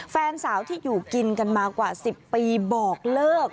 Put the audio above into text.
แฟนสาวที่อยู่กินกันมากว่า๑๐ปีบอกเลิก